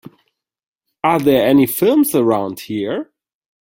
Are there any films around here